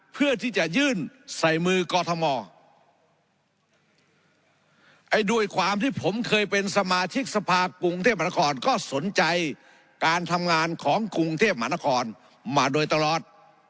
เพื่อที่จะยื่นใส่มือกอทมไอ้ด้วยความที่ผมเคยเป็นสมาชิกสภากรุงเทพมหานครก็สนใจการทำงานของกรุงเทพมหานครมาโดยตลอด